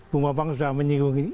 bu mabang sudah menyinggungi